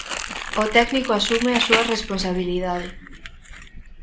O técnico asume a súa responsabilidade.